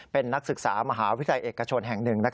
เป็นนักศึกษามหาวิทยาลัยเอกชนแห่งหนึ่ง